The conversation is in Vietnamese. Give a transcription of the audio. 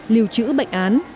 liều chữ bệnh án